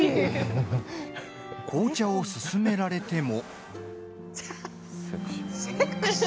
紅茶を勧められても。